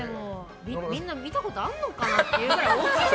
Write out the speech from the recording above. みんな見たことあるのかなっていうぐらい大きいのに。